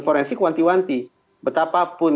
forensik wanti wanti betapapun